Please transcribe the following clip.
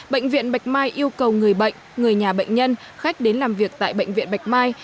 bệnh viện bạch mai yêu cầu người bệnh người nhà bệnh nhân khách đến làm việc tại bệnh viện bạch mai